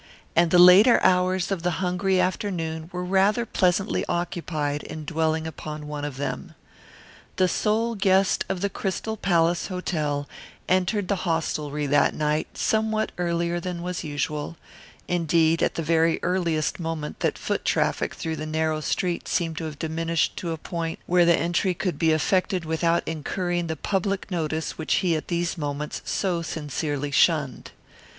And the later hours of the hungry afternoon were rather pleasantly occupied in dwelling upon one of them. The sole guest of the Crystal Palace Hotel entered the hostelry that night somewhat earlier than was usual; indeed at the very earliest moment that foot traffic through the narrow street seemed to have diminished to a point where the entry could be effected without incurring the public notice which he at these moments so sincerely shunned.